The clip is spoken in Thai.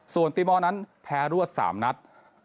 ส่วนตีมอลนั้นแพ้รวด๓นัด